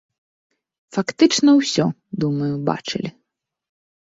Фактычна ўсё, думаю, бачылі.